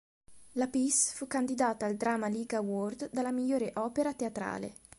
La pièce fu candidata al Drama League Award alla migliore opera teatrale.